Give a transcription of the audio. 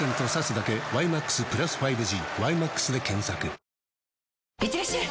新発売いってらっしゃい！